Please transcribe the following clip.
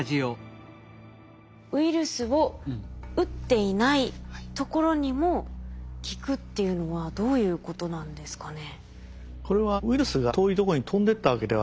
ウイルスを打っていないところにも効くっていうのはどういうことなんですかね？